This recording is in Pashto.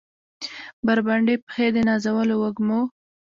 بربنډې پښې د نازولو وږمو